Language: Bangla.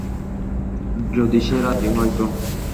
যদি সে রাজি হয় তো।